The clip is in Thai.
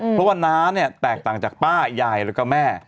เพราะว่าน้าเนี่ยแตกต่างจากป้ายายแล้วก็แม่